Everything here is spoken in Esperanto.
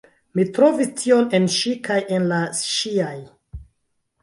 Mi trovis tion en ŝi kaj en la ŝiaj.